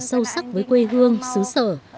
sâu sắc với quê hương xứ sở